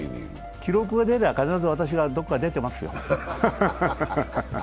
記録が出れば、私は必ずどこかに出てますよ。